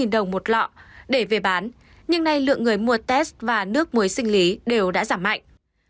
đồng một lọ để về bán nhưng nay lượng người mua test và nước muối sinh lý đều đã giảm mạnh